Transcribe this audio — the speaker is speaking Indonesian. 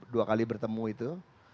dua kali bertemu itu